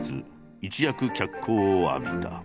一躍脚光を浴びた。